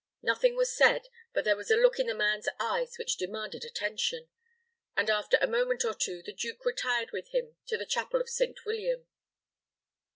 Nothing was said; but there was a look in the man's eyes which demanded attention, and, after a moment or two, the duke retired with him into the chapel of St. William.